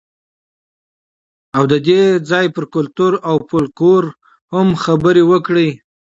او د دې ځای پر کلتور او فولکلور هم خبرې وکړئ.